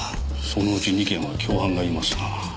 そのうち２件は共犯がいますなぁ。